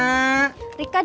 rika dari mana